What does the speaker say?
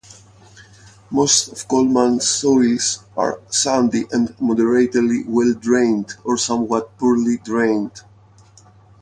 Most of Coleman's soils are sandy and moderately well drained or somewhat poorly drained.